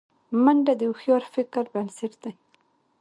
منډه د هوښیار فکر بنسټ دی